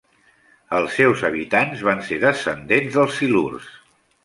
Els seus habitants van ser descendents dels silurs.